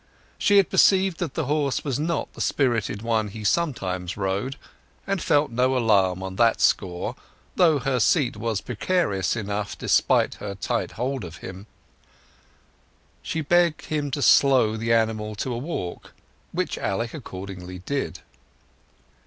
She had perceived that the horse was not the spirited one he sometimes rose, and felt no alarm on that score, though her seat was precarious enough despite her tight hold of him. She begged him to slow the animal to a walk, which Alec accordingly did.